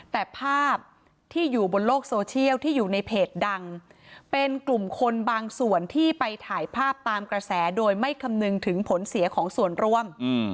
แต่ภาพที่อยู่บนโลกโซเชียลที่อยู่ในเพจดังเป็นกลุ่มคนบางส่วนที่ไปถ่ายภาพตามกระแสโดยไม่คำนึงถึงผลเสียของส่วนร่วม